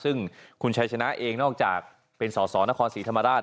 ซึ่งคุณชัยชนะเองนอกจากเป็นสอสอนครศรีธรรมราช